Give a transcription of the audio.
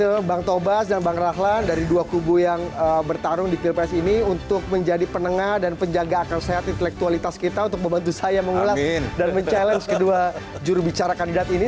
ke bang tobas dan bang rahlan dari dua kubu yang bertarung di pilpres ini untuk menjadi penengah dan penjaga akal sehat intelektualitas kita untuk membantu saya mengulas dan mencabar kedua jurubicara kandidat ini